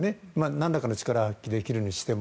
何らかの力は発揮できるにしても。